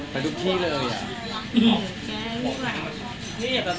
ไปทุกที่เลยอ่ะ